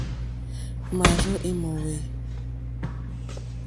Mârzô í mòwê.